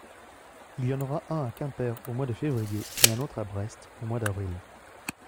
Il y en aura un à Quimper au mois de février et un autre à Brest au mois d’avril.